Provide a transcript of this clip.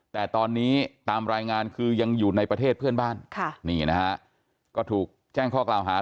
แต่ตอนนี้ตามรายงานคือยังอยู่ในประเทศเพื่อนบ้านนี่นะฮะก็ถูกแจ้งข้อกล่าวหา